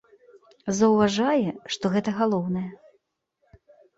Заўважае, што гэта галоўнае.